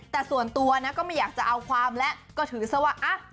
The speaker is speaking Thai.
แต่ส่วนตัวก็ไม่อยากจะเอาความและก็ถือสวะ